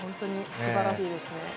素晴らしいですね。